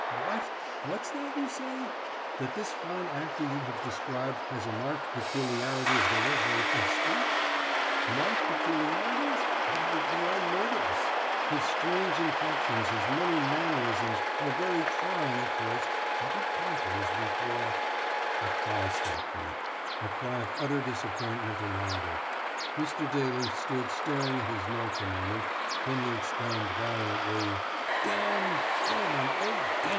"What! What's that you say? That this fine actor you have described has a marked peculiarity of delivery of speech?" "Marked peculiarities? Why, they are murderous! His strange inflections, his many mannerisms are very trying at first, but be conquers before " A cry stopped me a cry of utter disappointment and anger! Mr. Daly stood staring at his notes a moment, then he exclaimed violently: "D n! d n! oh, d n!!!"